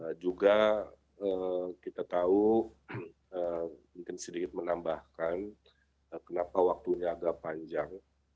dan juga kita tahu mungkin sedikit menambahkan kenapa waktunya agak panjang